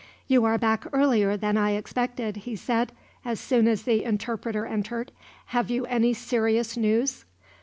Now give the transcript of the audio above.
"You are back earlier than I expected," he said, as soon as the interpreter entered. "Have you any serious news?"